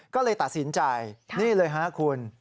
ก็เลยตัดสินใจนี่เลยฮะคุณ